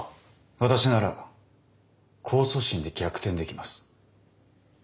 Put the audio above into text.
私なら控訴審で逆転できます。